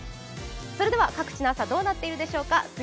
それでは各地の朝、どうなっているでしょうか？